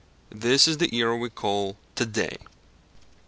This is the era we call "to day."